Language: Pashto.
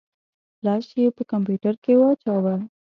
فلش يې په کمپيوټر کې واچوه.